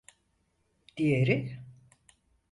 Diğeri…